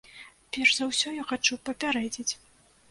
Перш за ўсё я хачу папярэдзіць.